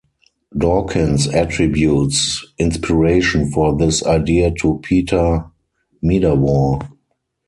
Dawkins attributes inspiration for this idea to Peter Medawar.